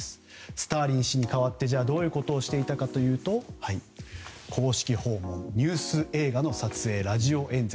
スターリン氏に代わってどういうことをしていたかというと公式訪問、ニュース映画の撮影ラジオ演説。